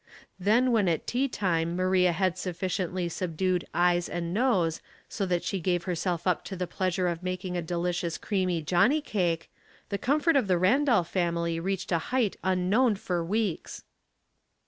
Then when at tea time Maria had suffi ciently subdued eyes and nose, so that she gave herself up to the pleasure of making a deHcious creamy johnny cake, the comfort of the Randolph family reached a height unknown for weeks.